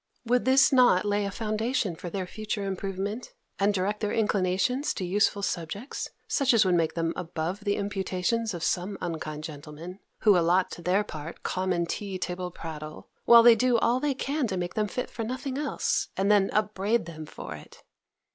Would not this lay a foundation for their future improvement, and direct their inclinations to useful subjects, such as would make them above the imputations of some unkind gentlemen, who allot to their part common tea table prattle, while they do all they can to make them fit for nothing else, and then upbraid them for it?